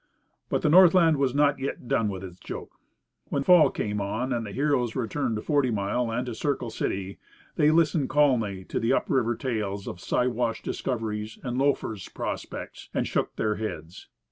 But the Northland was not yet done with its joke. When fall came on and the heroes returned to Forty Mile and to Circle City, they listened calmly to the up river tales of Siwash discoveries and loafers' prospects, and shook their heads.